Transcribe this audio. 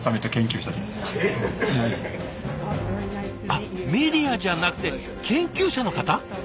あっメディアじゃなくて研究者の方？